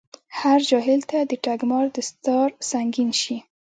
هر جاهل ته دټګمار دستار سنګين شي